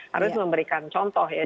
harus memberikan contoh ya